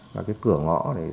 và cái cửa ngõ này